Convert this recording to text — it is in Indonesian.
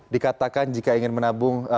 dikatakan jika ingin menabung